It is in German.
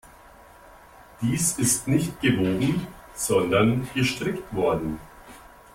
Dies ist nicht gewoben, sondern gestrickt worden.